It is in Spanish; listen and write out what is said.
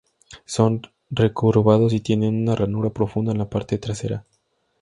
Son recurvados y tienen una ranura profunda en la parte trasera.